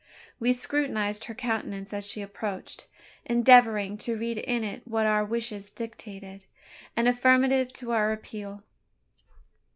We scrutinised her countenance as she approached, endeavouring to read in it what our wishes dictated an affirmative to our appeal.